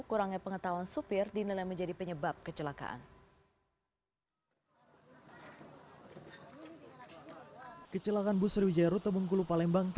kurangnya pengetahuan supir dinilai menjadi penyebab kecelakaan